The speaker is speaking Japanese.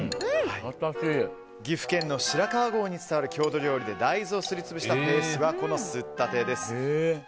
岐阜県の白川郷に伝わる郷土料理で大豆をすり潰したペーストはこのすったてです。